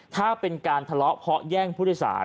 ถ้าเป็นการทะเลาะเพราะแย่งผู้โดยสาร